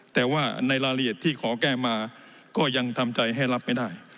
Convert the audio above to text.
แต่ว่าในรายละเอียดที่ขอแก้มาก็ยังทำใจให้รับไม่ได้